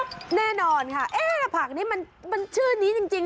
ไม่แน่นอนค่ะเราถึงจัดใจว่าผักนี้มันชื่อนี้จริง